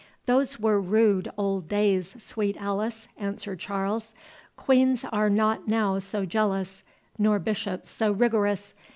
"Those were rude old days, sweet Alice," answered Charles; "queens are not now so jealous, nor bishops so rigorous.